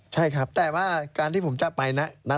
ใช่ครับแต่ว่าการที่ผมจะไปนะ